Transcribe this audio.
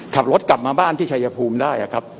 ขับรถกลับมาบ้านที่ชายภูมิได้ครับ